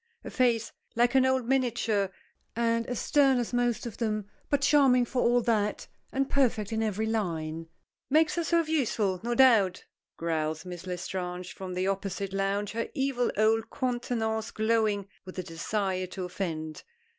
A face like an old miniature; and as stern as most of them, but charming for all that and perfect in every line. "Makes herself useful, no doubt," growls Miss L'Estrange from the opposite lounge, her evil old countenance glowing with the desire to offend.